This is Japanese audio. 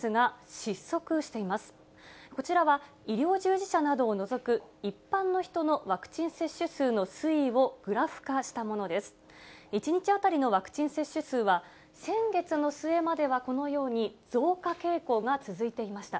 １日当たりのワクチン接種数は、先月の末まではこのように、増加傾向が続いていました。